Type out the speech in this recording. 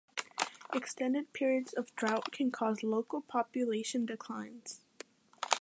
Extended periods of drought can cause local population declines.